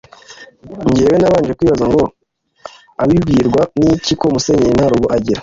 njyewe nabanje kwibaza ngo abibwirwa n’iki ko Musenyeri nta rugo agira